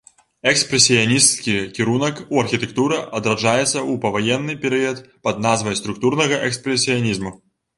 Экспрэсіянісцкі кірунак у архітэктуры адраджаецца ў паваенны перыяд пад назвай структурнага экспрэсіянізму.